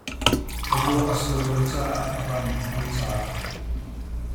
Ruah a sur lo caah ram an car.